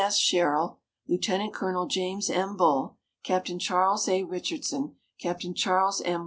S. Sherrill, Lieutenant Colonel James M. Bull, Captain Charles A. Richardson, Captain Charles M.